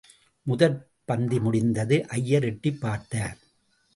முதற் பந்தி முடிந்தது, ஐயர் எட்டிப் பார்த்தார்.